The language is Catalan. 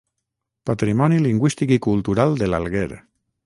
patrimoni lingüístic i cultural de l'Alguer